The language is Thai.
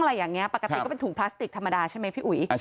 อะไรอย่างนี้ปกติก็เป็นถุงพลาสติกธรรมดาใช่ไหมพี่อุ๋ย